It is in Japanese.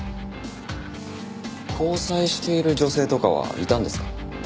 交際している女性とかはいたんですか？